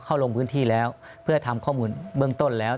ลงพื้นที่แล้วเพื่อทำข้อมูลเบื้องต้นแล้ว